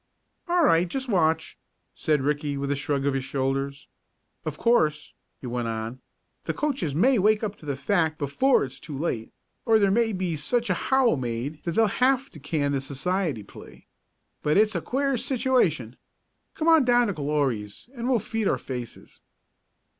"All right. Just watch," said Ricky, with a shrug of his shoulders. "Of course," he went on, "the coaches may wake up to the fact before it's too late, or there may be such a howl made that they'll have to can the society plea. But it's a queer situation. Come on down to Glory's and we'll feed our faces."